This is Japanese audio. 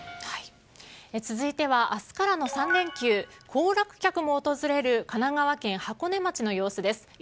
続いては明日からの３連休行楽客も訪れる神奈川県箱根町の様子です。